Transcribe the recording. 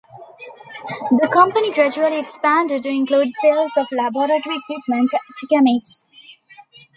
The company gradually expanded to include sales of laboratory equipment to chemists.